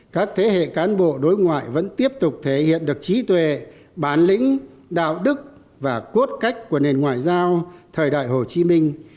các thế hệ cán bộ đối ngoại vẫn tiếp tục thể hiện được trí tuệ bản lĩnh đạo đức và cốt cách của nền ngoại giao thời đại hồ chí minh